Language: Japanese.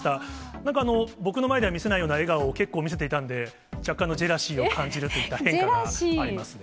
なんか僕の前では見せないような笑顔を結構見せていたんで、若干のジェラシーを感じるといった変化がありますね。